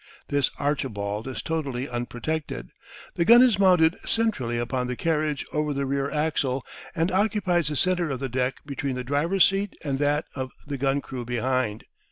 This "Archibald" is totally unprotected. The gun is mounted centrally upon the carriage over the rear axle, and occupies the centre of the deck between the driver's seat and that of the gun crew behind.